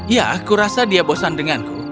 ya kurasa dia bosan denganku